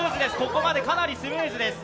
ここまでかなりスムーズです。